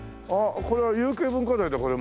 これは有形文化財だこれも。